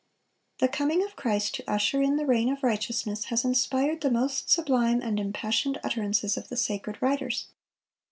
(451) The coming of Christ to usher in the reign of righteousness, has inspired the most sublime and impassioned utterances of the sacred writers.